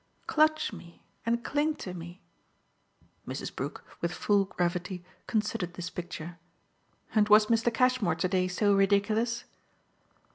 clutch me and cling to me." Mrs. Brook, with full gravity, considered this picture. "And was Mr. Cashmore to day so ridiculous?"